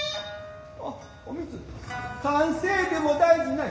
あっお光燗せいでも大事ない。